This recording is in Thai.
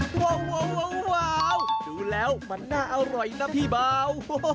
พี่บ้าวดูแล้วมันน่าอร่อยนะพี่บ้าว